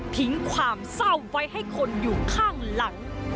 ทิ้งความเศร้าไว้ให้คนอยู่ข้างหลัง